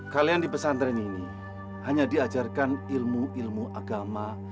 kalian di pesantren ini hanya diajarkan ilmu ilmu agama